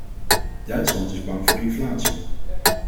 Duitsland is bang voor inflatie.